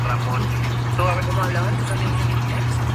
Su tenacidad produjo fruto durante sus estudios en el liceo.